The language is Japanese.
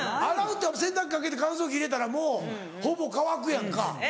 洗うって洗濯かけて乾燥機入れたらもうほぼ乾くやんか。